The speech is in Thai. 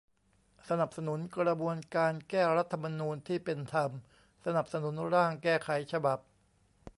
สนับสนุนกระบวนการแก้รัฐธรรมนูญที่เป็นธรรม สนับสนุนร่างแก้ไขฉบับ